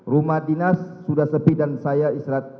rumah dinas sudah sepi dan saya istirahat